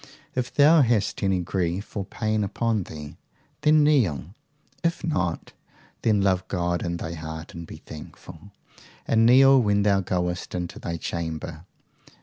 If thou hast any grief or pain upon thee, then kneel; if not, then love God in thy heart and be thankful, and kneel when thou goest into thy chamber.